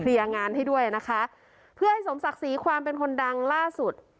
งานให้ด้วยนะคะเพื่อให้สมศักดิ์ศรีความเป็นคนดังล่าสุด